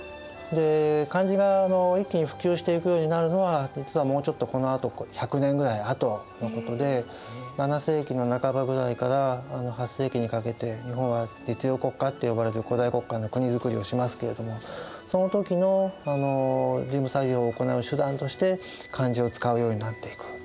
で漢字が一気に普及していくようになるのは実はもうちょっとこのあと１００年ぐらいあとのことで７世紀の半ばぐらいから８世紀にかけて日本は律令国家と呼ばれる古代国家の国造りをしますけれどもその時の事務作業を行う手段として漢字を使うようになっていく。